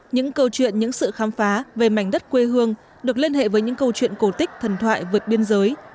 những câu chuyện những sự khám phá về mảnh đất quê hương được liên hệ với những câu chuyện cổ tích thần thoại vượt biên giới